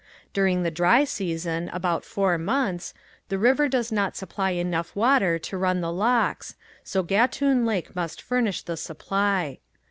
During the dry season, about four months, the river does not supply enough water to run the locks so Gatun Lake must furnish the supply.